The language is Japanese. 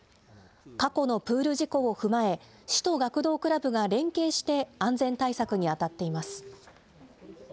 過去のプール事故を踏まえ、市と学童クラブが連携して安全対策に当たっています。